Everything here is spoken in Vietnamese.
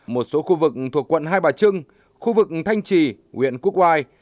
một số khu vực thuộc quận hai bà trưng khu vực thanh trì huyện quốc oai